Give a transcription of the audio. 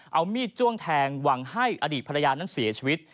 เอามีดจ้วงแทงหวังให้อดีตภรรยานั้นเสียชีวิต